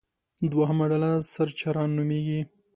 دوهمه ډله سرچران نومېږي.